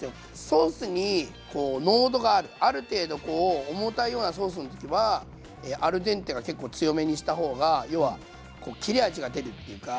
ソースに濃度があるある程度重たいようなソースの時はアルデンテが結構強めにした方が要は切れ味が出るっていうか。